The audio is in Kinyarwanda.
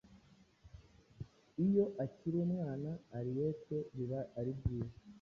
iyo akiri umwana, Henriette biba ari byiza